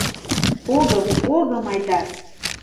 Огым, огым, Айдар!